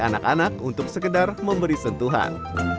anak anak untuk sekedar memberi sentuhan